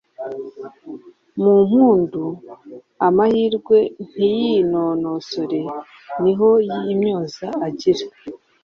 mu mpundu, amahirwe ntiyinonosore; ni ho yimyoza agira,